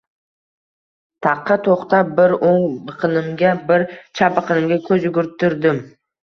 Taqqa to‘xtab, bir o‘ng biqinimga, bir chap biqinimga ko‘z yugurtirdim